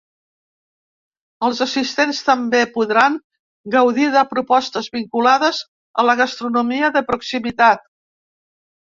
Es assistents també podran gaudir de propostes vinculades a la gastronomia de proximitat.